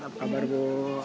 apa kabar bu